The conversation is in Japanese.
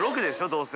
どうせ。